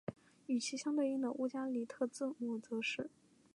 与其相对应的乌加里特字母则是。